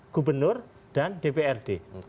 gubernur dan dprd